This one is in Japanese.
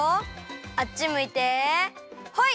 あっちむいてホイ！